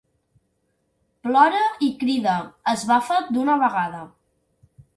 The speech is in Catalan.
Plora i crida: esbafa't d'una vegada!